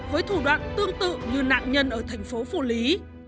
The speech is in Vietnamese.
với thủ đoạn tương tự như nạn nhân ở thành phố phủ lý